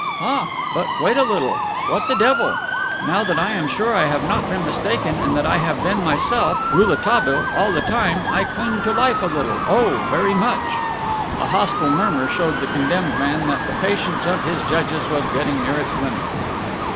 "Ah, but wait a little. What the devil! Now that I am sure I have not been mistaken and that I have been myself, Rouletabille, all the time I cling to life a little oh, very much!" A hostile murmur showed the condemned man that the patience of his judges was getting near its limit.